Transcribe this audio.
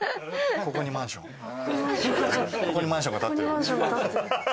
ここにマンションが建ってる。